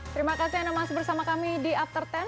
terima kasih anda masih bersama kami di after sepuluh